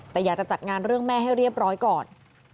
แต่อยากจะจัดงานเรื่องแม่ให้เรียบร้อยก่อน